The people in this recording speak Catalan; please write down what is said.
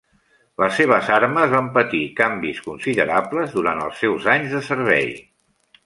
Les seves armes van patir canvis considerables durant els seus anys de servei.